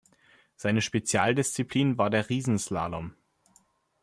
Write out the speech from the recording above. Seine Spezialdisziplin war der Riesenslalom.